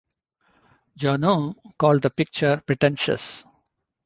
Joanou called the picture "pretentious".